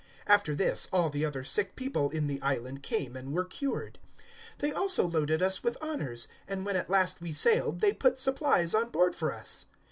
028:009 After this, all the other sick people in the island came and were cured. 028:010 They also loaded us with honours, and when at last we sailed they put supplies on board for us.